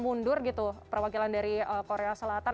mundur gitu perwakilan dari korea selatan